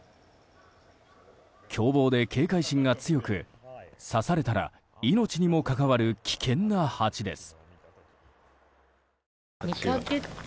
凶暴で警戒心が強く刺されたら命にも関わる危険なハチです。